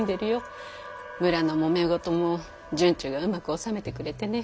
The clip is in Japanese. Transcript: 村のもめ事も惇忠がうまく収めてくれてねぇ。